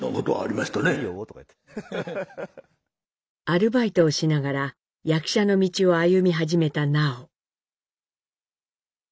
アルバイトをしながら役者の道を歩み始めた南朋。